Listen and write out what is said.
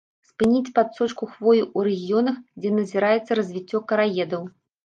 Спыніць падсочку хвоі ў рэгіёнах, дзе назіраецца развіццё караедаў.